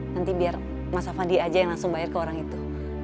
nanti biar mas afadi aja yang langsung bayar ke orang itu